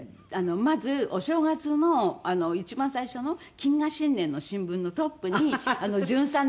まずお正月の一番最初の謹賀新年の新聞のトップにじゅんさん